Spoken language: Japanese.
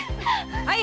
はい！